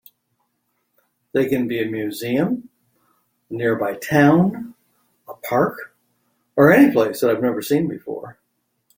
They can be a museum, a nearby town, a park, or any place that I have never been before.